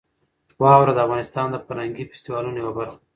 واوره د افغانستان د فرهنګي فستیوالونو یوه برخه ده.